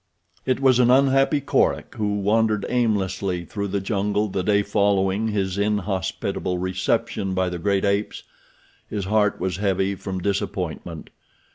It was an unhappy Korak who wandered aimlessly through the jungle the day following his inhospitable reception by the great apes. His heart was heavy from disappointment.